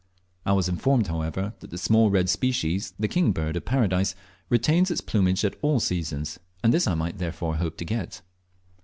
I was informed, however, that the small red species, the "King Bird of Paradise," retains its plumage at all seasons, and this I might therefore hope to get.